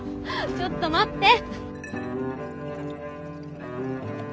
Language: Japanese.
ちょっと待って。